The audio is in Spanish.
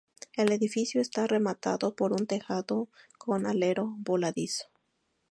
El edificio está rematado por un tejado con alero voladizo.